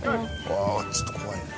ああちょっと怖いね。